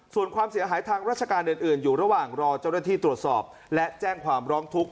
ส่วนความเสียหายทางราชการอื่นอยู่ระหว่างรอเจ้าหน้าที่ตรวจสอบและแจ้งความร้องทุกข์